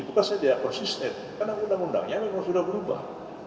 bukannya dia konsisten karena undang undangnya memang sudah berubah